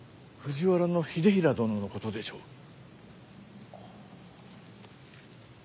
藤原秀衡殿のことでしょう。